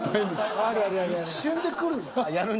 一瞬でくる？